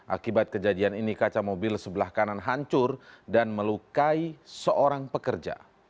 akibat kejadian ini kaca mobil sebelah kanan hancur dan melukai seorang pekerja